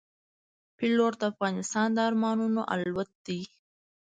پیلوټ د انسان د ارمانونو الوت دی.